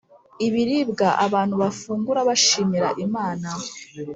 ibiribwa abantu bafungura bashimira imana